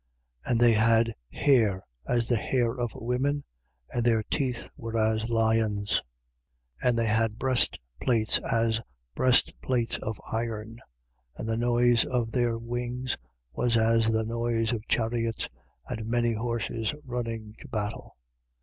9:8. And they had hair as the hair of women: and their teeth were as lions. 9:9. And they had breastplates as breastplates of iron: and the noise of their wings was as the noise of chariots and many horses running to battle.